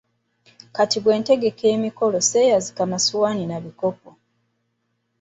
Kati bwe ntegeka emikolo sseeyazika masowaani na bikopo.